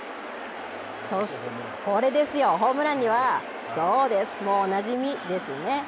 これですよ、ホームランには、そうです、もうおなじみですね。